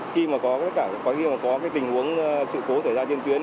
khi mà có tình huống sự cố xảy ra trên tuyến